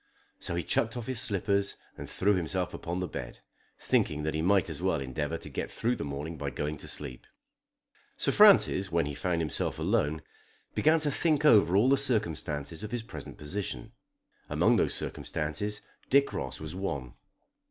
So he chucked off his slippers, and threw himself upon the bed, thinking that he might as well endeavour to get through the morning by going to sleep. Sir Francis when he found himself alone began to think over all the circumstances of his present position. Among those circumstances Dick Ross was one.